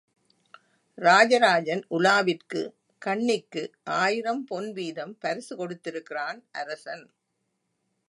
ராஜராஜன் உலாவிற்கு கண்ணிக்கு ஆயிரம் பொன் வீதம் பரிசு கொடுத்திருக்கிறான் அரசன்.